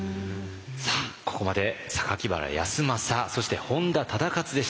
さあここまで榊原康政そして本多忠勝でした。